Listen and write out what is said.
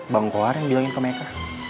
bang kohar yang jengukin ke mereka